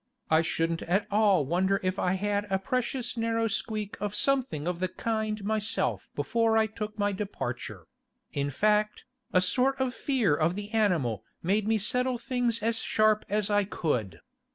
I shouldn't at all wonder if I had a precious narrow squeak of something of the kind myself before I took my departure; in fact, a sort of fear of the animal made me settle things as sharp as I could.